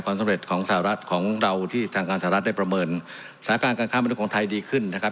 สำเร็จของสหรัฐของเราที่ทางการสหรัฐได้ประเมินสถานการณ์การค้ามนุษย์ไทยดีขึ้นนะครับ